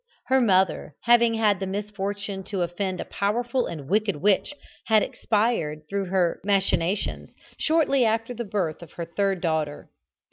Her mother, having had the misfortune to offend a powerful and wicked witch, had expired, through her machinations, shortly after the birth of her third daughter.